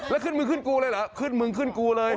แล้วขึ้นมือขึ้นกูเลยเหรอขึ้นมึงขึ้นกูเลย